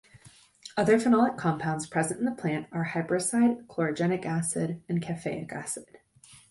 Other phenolic compounds present in the plant are hyperoside, chlorogenic acid and caffeic acid.